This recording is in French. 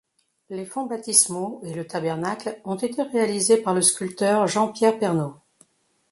Les fonts baptismaux et le tabernacle ont été réalisés par le sculpteur Jean-Pierre Pernot.